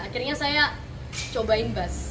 akhirnya saya cobain bus